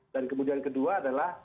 dan kemudian kedua adalah